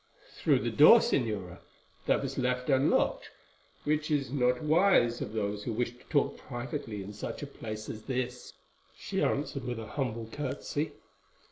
"Through the door, Señora, that was left unlocked, which is not wise of those who wish to talk privately in such a place as this," she answered with a humble curtsey.